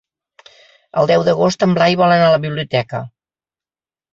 El deu d'agost en Blai vol anar a la biblioteca.